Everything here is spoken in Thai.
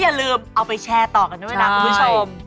อย่าลืมเอาไปแชร์ต่อกันด้วยนะคุณผู้ชม